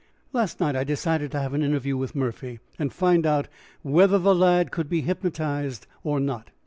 "Last night I decided to have an interview with Murphy and find out whether the lad could be hypnotized or not.